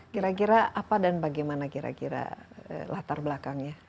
kira kira apa dan bagaimana kira kira latar belakangnya